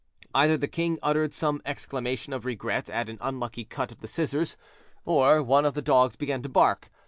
Either the king uttered some exclamation of regret at an unlucky cut of the scissors, or one of the dogs began to bark.